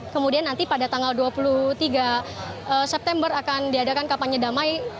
kemudian nanti pada tanggal dua puluh tiga september akan diadakan kapanya damai